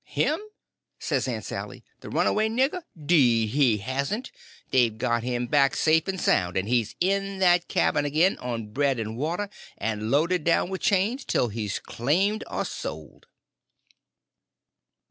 "Him?" says Aunt Sally; "the runaway nigger? 'Deed he hasn't. They've got him back, safe and sound, and he's in that cabin again, on bread and water, and loaded down with chains, till he's claimed or sold!"